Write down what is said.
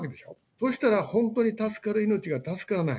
そうしたら本当に助かる命が助からない。